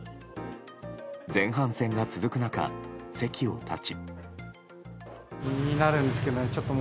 前半戦が続く中、席を立ち。